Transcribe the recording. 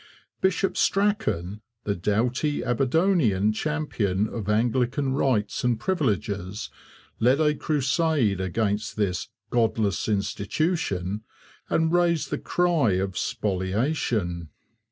Bishop Strachan, the doughty Aberdonian champion of Anglican rights and privileges, led a crusade against this 'godless institution' and raised the cry of spoliation.